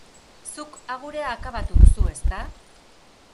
Zuk agurea akabatu duzu, ezta?